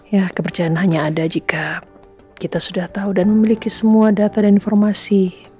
ya kepercayaan hanya ada jika kita sudah tahu dan memiliki semua data dan informasi